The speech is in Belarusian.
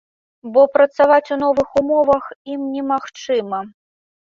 Бо працаваць у новых умовах ім немагчыма.